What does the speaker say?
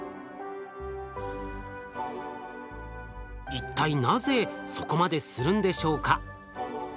一体なぜそこまでするんでしょうか？